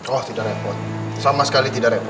oh tidak repot sama sekali tidak repot